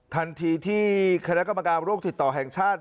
ทันทีที่คาแรกกรรมกรามร่วมติดต่อแห่งชาติ